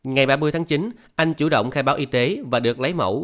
ngày ba mươi tháng chín anh chủ động khai báo y tế và được lấy mẫu